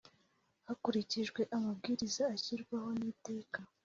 hakurikijwe amabwiriza ashyirwaho n Iteka